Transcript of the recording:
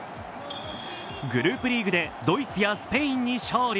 グループリーグでドイツやスペインに勝利。